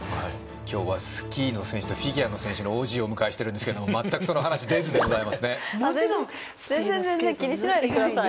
今日はスキーの選手とフィギュアの選手のＯＧをお迎えしてるんですけど全くその話出ずでございますね全然気にしないでください